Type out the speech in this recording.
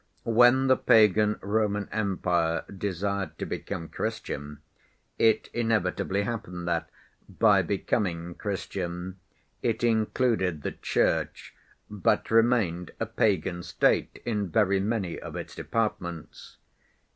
When the pagan Roman Empire desired to become Christian, it inevitably happened that, by becoming Christian, it included the Church but remained a pagan State in very many of its departments.